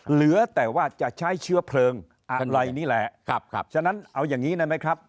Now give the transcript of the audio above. เหลือแต่ว่าจะใช้เชื้อเพลิงกำไรนี่แหละครับฉะนั้นเอาอย่างนี้ได้ไหมครับ